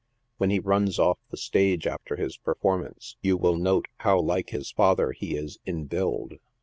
"When he runs off the stage after this performance, you will note how like his father he is in build.